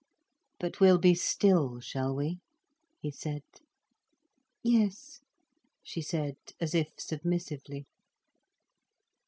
"But we'll be still, shall we?" he said. "Yes," she said, as if submissively.